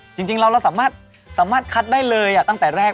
จริงเราสามารถสามารถคัดได้เลยอ่ะตั้งแต่แรก